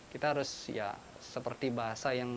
kita harus ya seperti bahasa yang